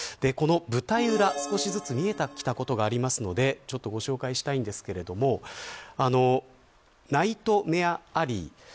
この舞台裏少しずつ見えてきたことがあるのでちょっとご紹介したいんですけれどもナイトメア・アリー